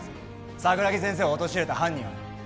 桜木先生を陥れた犯人をね